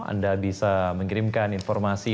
anda bisa mengirimkan informasi